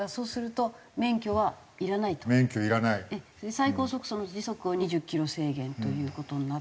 最高速時速を２０キロ制限という事になったっていう。